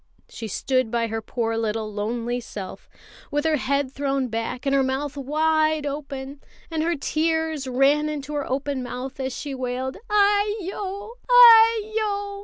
She stood by her poor little lonely self, with her head thrown back and her mouth wide open, and her tears ran into her open mouth as she wailed: "Aiyo! Aiyo!